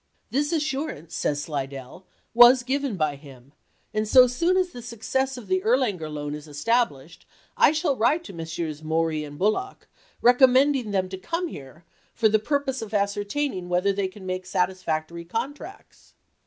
"This assurance," says Slidell, "was given by him, and so soon as the success of the Erlanger loan is established, I shall write to Messrs. Maury I FOREIGN RELATIONS IN 1863 271 and Bulloch recommending them to come here for chap.x. the purpose of ascertaining whether they can make satisfactory contracts."